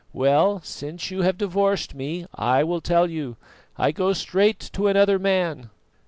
Well, since you have divorced me, I will tell you, I go straight to another man.